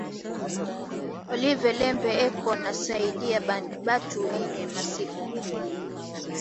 Olive lembe eko nasaidia batu iyi masiku